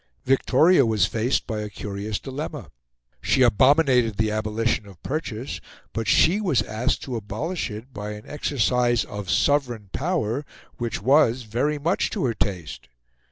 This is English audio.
Victoria was faced by a curious dilemma: she abominated the abolition of purchase; but she was asked to abolish it by an exercise of sovereign power which was very much to her taste.